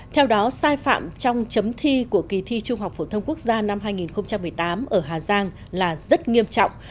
theo đó sai phạm trong chấm thi của kỳ thi trung học phổ thông quốc gia năm hai nghìn một mươi tám ở hà giang là rất nghiêm trọng